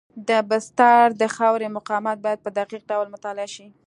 د بستر د خاورې مقاومت باید په دقیق ډول مطالعه شي